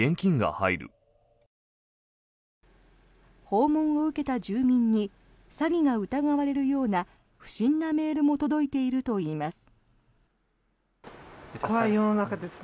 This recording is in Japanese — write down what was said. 訪問を受けた住民に詐欺が疑われるような不審なメールも届いているといいます。